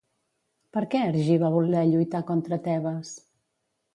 Per què Ergí va voler lluitar contra Tebes?